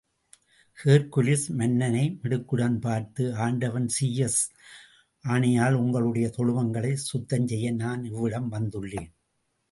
Hercules மன்னனை மிடுக்குடன் பார்த்து, ஆண்டவன் சீயஸ் ஆணையால் உங்களுடைய தொழுவங்களைச் சுத்தம் செய்ய நான் இவ்விடம் வந்துள்ளேன்.